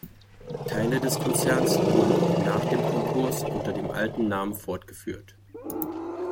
Teile des Konzerns wurden auch nach dem Konkurs unter dem alten Namen fortgeführt.